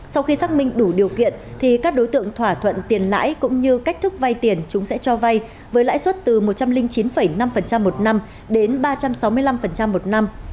sau khi xác minh đủ điều kiện thì các đối tượng thỏa thuận tiền lãi cũng như cách thức vay tiền chúng sẽ cho vay với lãi suất từ một trăm linh chín năm một năm đến ba trăm sáu mươi năm một năm